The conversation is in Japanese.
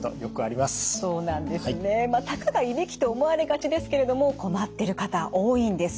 まあたかがいびきと思われがちですけれども困ってる方多いんです。